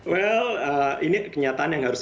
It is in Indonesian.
well ini kenyataan yang harus